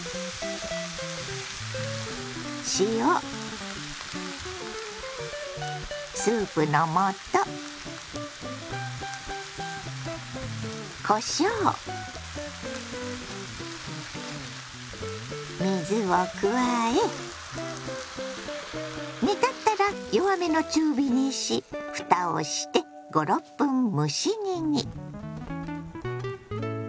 塩スープの素こしょう水を加え煮立ったら弱めの中火にしふたをして５６分蒸し煮に。